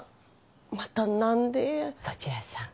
また何でそちらさん